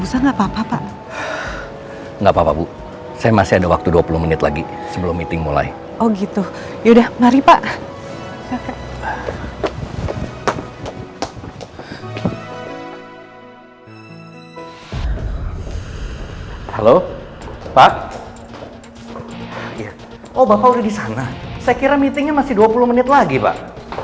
saya kira meetingnya masih dua puluh menit lagi pak